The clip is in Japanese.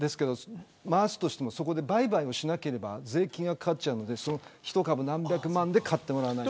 回すとしても売買しなければ税金がかかるので１株何百万で買ってもらわないと。